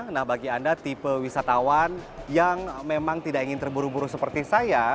nah bagi anda tipe wisatawan yang memang tidak ingin terburu buru seperti saya